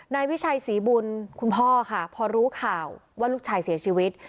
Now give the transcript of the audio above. นายวิชัยศรีบุญคุณพ่อค่ะพอรู้ข่าวว่าลูกชายเสียชีวิต